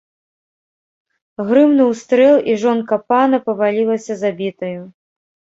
Грымнуў стрэл, і жонка пана павалілася забітаю.